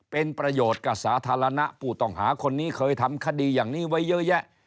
เป็นประโยชน์กับสาธารณะผู้ต้องหาคนนี้เคยทำคดีอย่างนี้ไว้เยอะแยะ